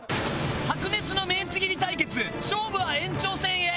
白熱のメンチ切り対決勝負は延長戦へ。